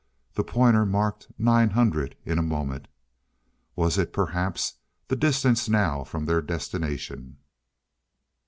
The pointer marked nine hundred in a moment. Was it, perhaps, the distance now from their destination?